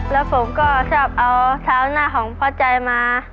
แล้วผมก็ชอบเอาเท้าหน้าของพ่อใจมา